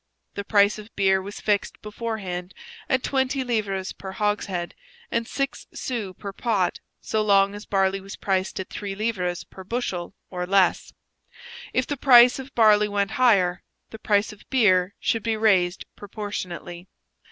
The price of beer was fixed beforehand at twenty livres per hogshead and six sous per pot so long as barley was priced at three livres per bushel or less; if the price of barley went higher, the price of beer should be raised proportionately.